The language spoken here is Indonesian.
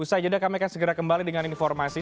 usai jeda kami akan segera kembali dengan informasi